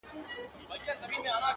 • د همدې خرقې په زور پهلوانان وه -